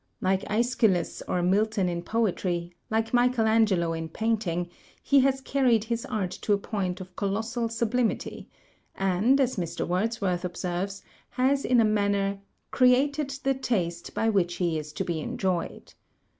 Like iEschylus or Milton in poetry, like Michael Angelo in painting, he has carried his art to a point of colossal sublimity; and, as Mr. Wordsworth observes, has in a manner * created the taste by which he is to be enjoyed.'